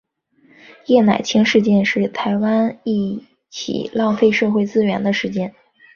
叶乃菁事件是台湾一起浪费社会资源的事件。